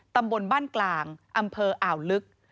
ตำบลบ้านกลางอำเภออ่าวลึก